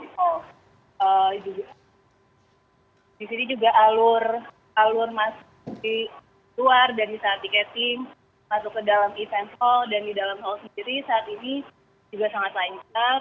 di sini juga alur alur masih luar dan bisa tiketing masuk ke dalam event hall dan di dalam hall sendiri saat ini juga sangat lain